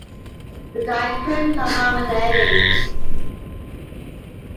But I couldn't come up with an ending.